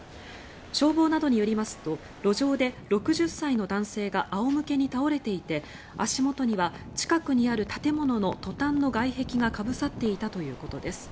消防などによりますと路上で６０歳の男性が仰向けに倒れていて足元には近くにある建物のトタンの外壁がかぶさっていたということです。